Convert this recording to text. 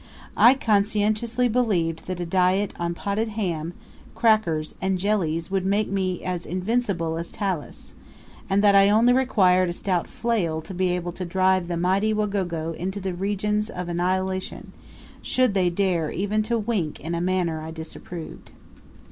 I conscientiously believed that a diet on potted ham, crackers, and jellies would make me as invincible as Talus, and that I only required a stout flail to be able to drive the mighty Wagogo into the regions of annihilation, should they dare even to wink in a manner I disapproved.